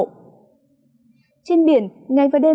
trên biển ngày vừa đến